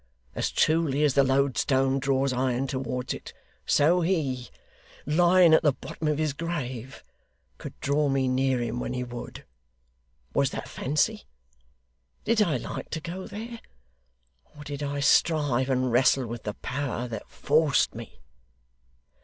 As truly as the loadstone draws iron towards it, so he, lying at the bottom of his grave, could draw me near him when he would. Was that fancy? Did I like to go there, or did I strive and wrestle with the power that forced me?